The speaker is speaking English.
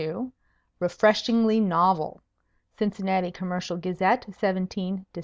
"Refreshingly novel." Cincinnati Commercial Gazette, 17 Dec.